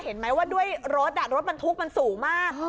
เห็นไหมว่าด้วยรถรถบรรทุกมันสูงมาก